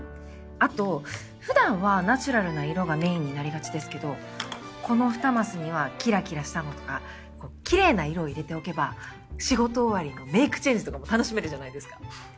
あと普段はナチュラルな色がメインになりがちですけどこの２マスにはキラキラしたのとかこうきれいな色を入れておけば仕事終わりのメイクチェンジとかも楽しめるじゃないですか。